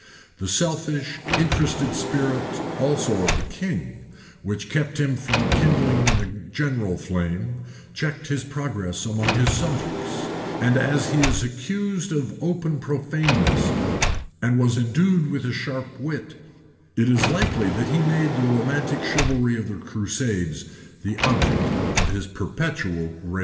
The selfish, interested spirit also of the king, which kept him from kindling in the general flame, checked its progress among his subjects; and as he is accused of open profaneness,[] and was endued with a sharp wit,[] it is likely that he made the romantic chivalry of the crusaders the object of his perpetual raillery.